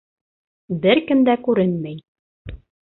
Бер кем дә күренмәй.